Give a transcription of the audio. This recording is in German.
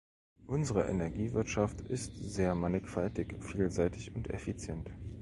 Unsere Energiewirtschaft ist sehr mannigfaltig, vielseitig und effizient.